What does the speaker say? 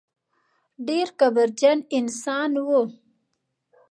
ډېر کبرجن انسان و.